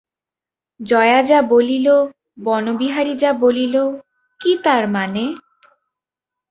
জয়া যা বলিল, বনবিহারী যা বলিল, কী তার মানে?